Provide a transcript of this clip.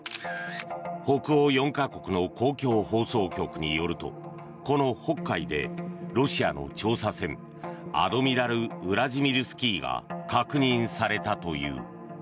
北欧４か国の公共放送局によるとこの北海でロシアの調査船「アドミラル・ウラジミルスキー」が確認されたという。